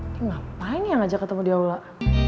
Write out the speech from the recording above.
ini ngapain yang ngajak ketemu dia dulu lah